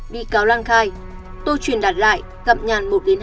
bị cáo lan khai tô truyền đặt lại gặp nhàn một hai lần